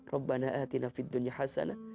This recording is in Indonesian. rabbana atina fid dunya hasanah